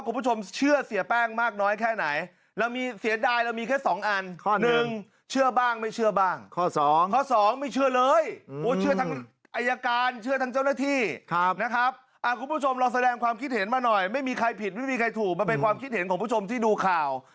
ไม่เชื่อเสียแป้งเลยเก้าสิบสี่เปอร์เซ็นต์ตอนนี้อ่า